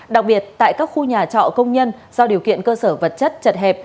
đặc biệt tại các khu nhà trọ công nhân do điều kiện cơ sở vật chất chật hẹp